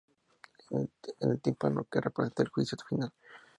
En el tímpano se representa el juicio final.